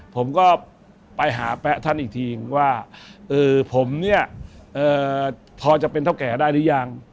ผมก็ไปหาแป๊ะท่านอีกทีว่าผมเนี่ยพอจะเป็นเท่าแก่ได้หรือยัง